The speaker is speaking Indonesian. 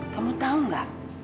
kamu tau gak